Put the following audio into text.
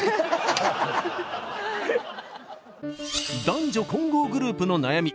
男女混合グループの悩み。